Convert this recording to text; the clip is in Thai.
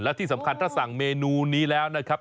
และที่สำคัญถ้าสั่งเมนูนี้แล้วนะครับ